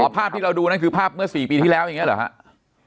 ภาพที่เราดูนั่นคือภาพเมื่อ๔ปีที่แล้วอย่างนี้เหรอครับ